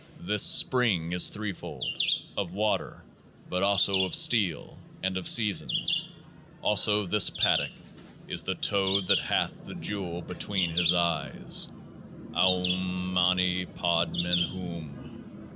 This SPRING is threefold ; of water, but also of steel, and of the seasons. Also this PADDOCK is the Toad that hath the jewel between his eyes — Aum Mani Padmen Hum